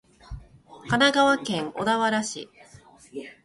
神奈川県小田原市